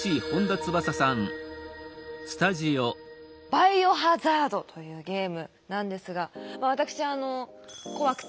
「バイオハザード」というゲームなんですがわたくしあの怖くて。